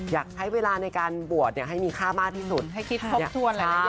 อยากใช้เวลาในการบวชมีค่ามากที่สุดให้คิดภพถวน